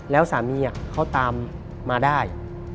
แล้วสามีเขาตามมาได้